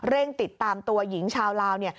ติดตามตัวหญิงชาวลาว